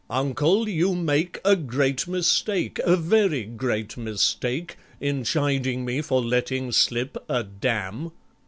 Uncle, you make A great mistake, a very great mistake, In chiding me for letting slip a "Damn!"